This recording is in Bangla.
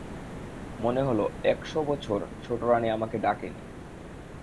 মনে হল এক-শো বছর ছোটোরানী আমাকে ডাকে নি।